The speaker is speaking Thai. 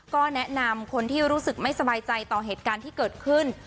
ก็แนะนำคนที่รู้สึกไม่สบายใจต่อเหตุการณ์ที่เกิดขึ้น